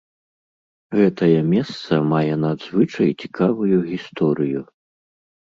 Гэтае месца мае надзвычай цікавую гісторыю.